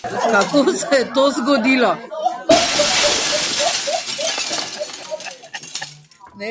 Kako se je to zgodilo?